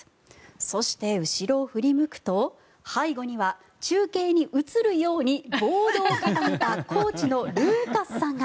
そして、後ろを振り向くと背後には中継に映るようにボードを掲げたコーチのルーカスさんが。